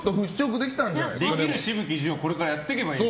できる紫吹淳をこれからやっていけばいい。